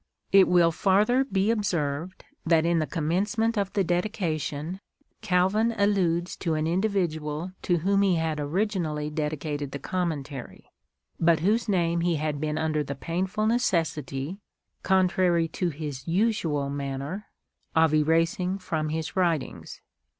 It will farther be observed that in the commencement of the Dedication, Calvin alludes to an individual to whom he had originally dedicated the Commentary, but whose name he had been under the painful necessity — contrary to his usual manner — of erasing from his writings.